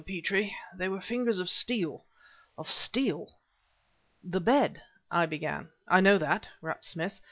Petrie! they were fingers of steel of steel!" "The bed," I began... "I know that," rapped Smith.